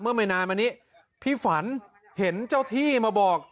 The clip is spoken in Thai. ไม่นานมานี้พี่ฝันเห็นเจ้าที่มาบอก